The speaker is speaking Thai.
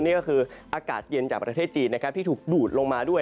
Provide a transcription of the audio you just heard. ก็คืออากาศเย็นจากประเทศจีนที่ถูกดูดลงมาด้วย